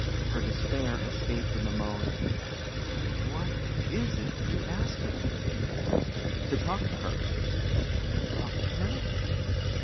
Her despair escaped in the moan, "What is it you ask me?" "To talk to her." "Talk to her?"